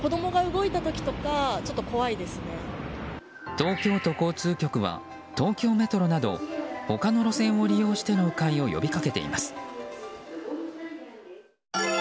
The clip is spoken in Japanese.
東京都交通局は東京メトロなど他の路線を利用しての迂回を呼びかけています。